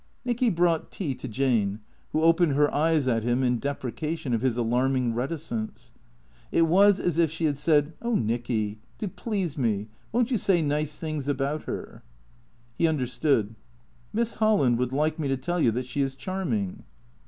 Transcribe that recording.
Nicky brought tea to Jane, who opened her eyes at him in deprecation of his alarming reticence. It was as if she had said, " Oh, Nicky — to please me — won't you say nice things about her ?" He understood. " Miss Holland would like me to tell you that she is charming."